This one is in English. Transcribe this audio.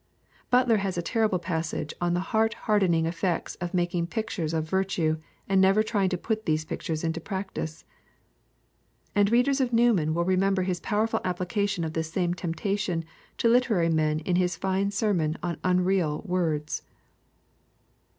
Butler has a terrible passage on the heart hardening effects of making pictures of virtue and never trying to put those pictures into practice. And readers of Newman will remember his powerful application of this same temptation to literary men in his fine sermon on Unreal Words.